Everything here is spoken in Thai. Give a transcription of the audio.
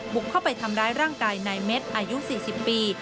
บุกเข้าไปทำร้ายร่างกายนายเม็ดอายุ๔๐ปี